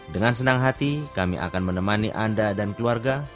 dengan senang hati kami akan menemani anda dan keluarga